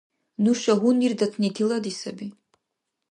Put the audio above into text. Нуша гьунирдатни тилади саби.